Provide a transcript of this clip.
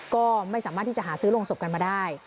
ก็ไม่สามารถที่จะหาซื้อโรงศพกันมาได้